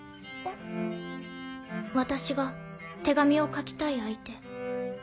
私が手紙を書きたい相手。